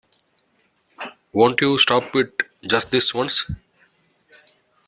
Won't you stop it just this once?